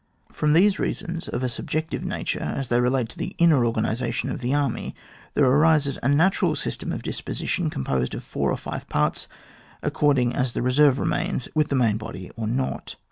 From these reasons of a subjective na ture, as they relate to the inner organisa tion of an army, there arises a natural system of disposition , composed of four or five parts according as the reserve remains with the main body or not.